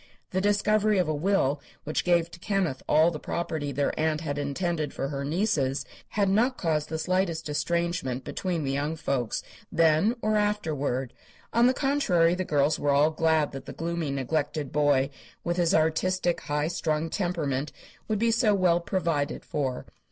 The discovery of a will which gave to Kenneth all the property their aunt had intended for her nieces had not caused the slightest estrangement between the young folks, then or afterward. On the contrary, the girls were all glad that the gloomy, neglected boy, with his artistic, high strung temperament, would be so well provided for.